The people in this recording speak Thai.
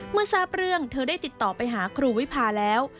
เมื่อทราบเรื่องเธอได้ติดต่อไปหาครูวิพาแล้ว